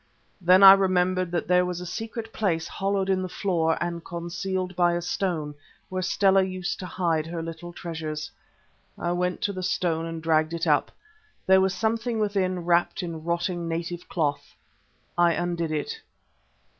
Then I remembered that there was a secret place hollowed in the floor and concealed by a stone, where Stella used to hide her little treasures. I went to the stone and dragged it up. There was something within wrapped in rotting native cloth. I undid it.